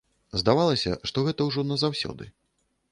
Здавалася, што гэта ўжо назаўсёды.